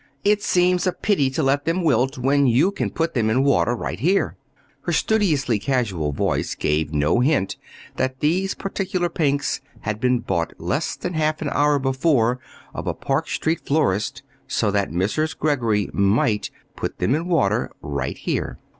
"It seems a pity to let them wilt, when you can put them in water right here." Her studiously casual voice gave no hint that those particular pinks had been bought less than half an hour before of a Park Street florist so that Mrs. Greggory might put them in water right there.